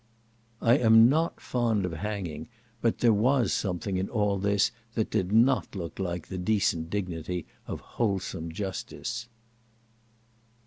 I am not fond of hanging, but there was something in all this that did not look like the decent dignity of wholesome justice.